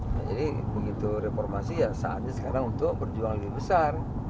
nah jadi begitu reformasi ya saatnya sekarang untuk berjuang lebih besar